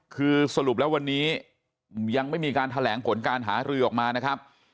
คือสรุปแล้ววันนี้ยังไม่มีการแถลงผลการหารือออกมานะครับ